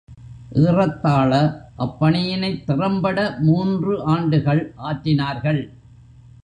ஏறத்தாழ அப்பணியினைத் திறம்பட மூன்று ஆண்டுகள் ஆற்றினார்கள்.